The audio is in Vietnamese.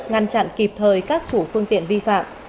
ngăn chặn kịp thời các chủ phương tiện vi phạm